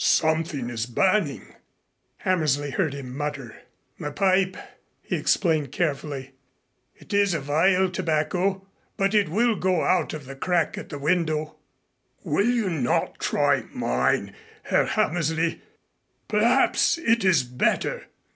"Something is burning," Hammersley heard him mutter. "My pipe," he explained carefully. "It is a vile tobacco. But it will go out of the crack at the window." "Will you not try mine, Herr Hammersley? Perhaps it is better."